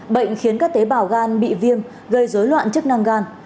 bệnh khiến các tế bào gan bị viêm gây dối loạn chức năng gan